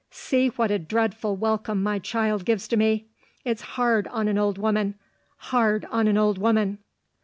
See what a dreadful welcome my child gives to me. It's hard on an old woman hard on an old woman!"